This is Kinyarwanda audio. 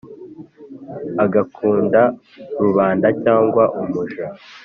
agakunda rubanda cyangwa umuja,